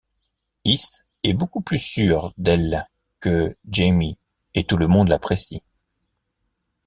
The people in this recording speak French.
Is est beaucoup plus sûre d’elle que Jaimie, et tout le monde l’apprécie.